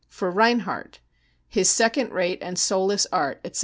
For Reinhardt :" His second rate and soulless art, etc."